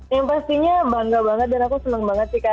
yang pastinya bangga banget dan aku senang banget sih kak